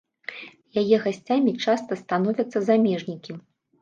Яе гасцямі часта становяцца замежнікі.